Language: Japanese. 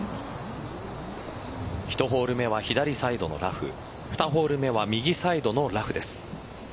１ホール目は左サイドのラフ２ホール目は右サイドのラフです。